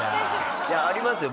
いやありますよ